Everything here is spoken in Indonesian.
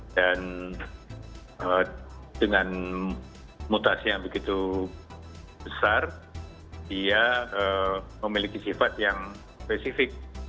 dan dengan mutasi yang begitu besar dia memiliki sifat yang spesifik